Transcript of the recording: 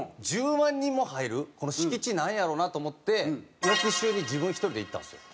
１０万人も入るこの敷地なんやろうな？と思って翌週に自分一人で行ったんですよ。